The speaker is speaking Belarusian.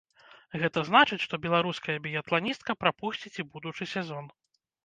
Гэта значыць, што беларуская біятланістка прапусціць і будучы сезон.